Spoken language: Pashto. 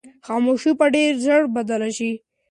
خاموشي به ډېر ژر بدله شي.